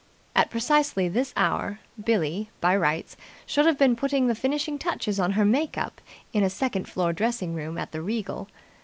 At precisely this hour Billie, by rights, should have been putting the finishing touches on her make up in a second floor dressing room at the Regal.